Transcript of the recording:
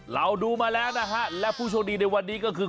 เราดูมาแล้วนะฮะและผู้โชคดีในวันนี้ก็คือ